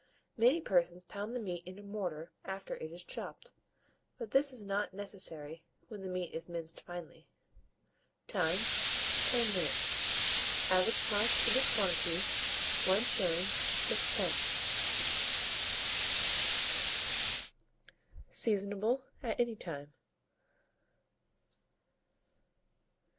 Many persons pound the meat in a mortar after it is chopped ( but this is not necessary when the meat is minced finely.) Time. 10 minutes. Average cost, for this quantity, 1s. 6d. Seasonable at any time.